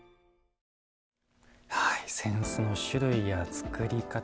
扇子の種類や作り方